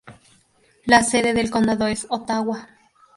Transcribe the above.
La sede del condado es Ottawa.